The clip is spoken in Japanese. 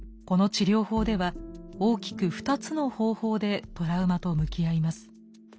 この治療法では大きく２つの方法でトラウマと向き合います。